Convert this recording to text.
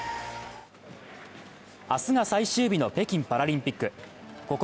明日が最終日の北京パラリンピック。